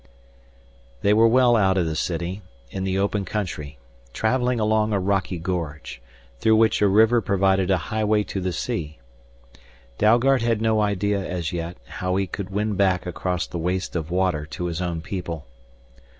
They were well out of the city, in the open country, traveling along a rocky gorge, through which a river provided a highway to the sea. Dalgard had no idea as yet how he could win back across the waste of water to his own people.